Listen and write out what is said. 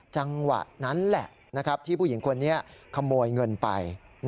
จังหวะนั้นแหละที่ผู้หญิงคนนี้ขโมยเงินไป